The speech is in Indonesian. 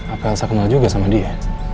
apa elsa kenal juga sama dia